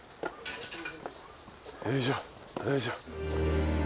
よいしょよいしょ。